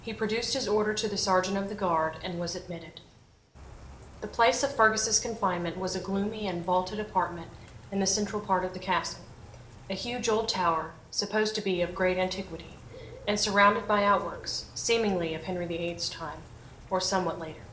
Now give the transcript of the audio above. He produced his order to the sergeant of the guard and was admitted. The place of Fergus's confinement was a gloomy and vaulted apartment in the central part of the Castle; a huge old tower, supposed to be of great antiquity, and surrounded by outworks, seemingly of Henry VIII's time, or somewhat later.